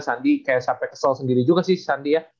sandi kayak sampai kesel sendiri juga sih sandi ya